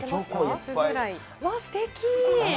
うわー、すてき。